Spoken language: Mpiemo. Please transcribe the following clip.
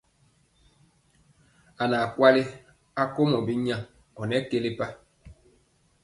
A naa kwali akomɔ binya ɔ nɔ kelepa.